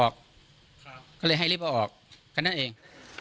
เขาเลยรีบเอาออกแต่นั้นเอง